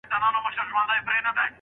ارغنداو سي د مستیو پوروړی